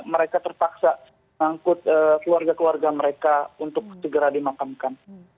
mereka terpaksa mengangkut keluarga keluarga mereka untuk segera dimakamkan